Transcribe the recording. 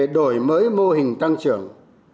hai đổi mới mô hình tăng trưởng